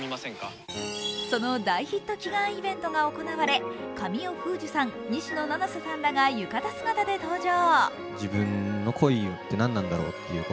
その大ヒット祈願イベントが行われ神尾楓珠さん、西野七瀬さんらが浴衣で登場。